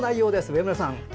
上村さん。